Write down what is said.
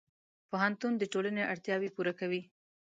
پوهنتون د ټولنې اړتیاوې پوره کوي.